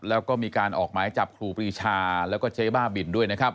แล้วก็มีการออกหมายจับครูปรีชาแล้วก็เจ๊บ้าบินด้วยนะครับ